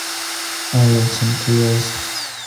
آیا چمتو یاست؟